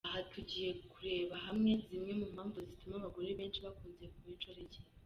Aha tugiye kurebera hamwe zimwe mu mpamvu zituma abagore benshi bakunze kuba inshoreke.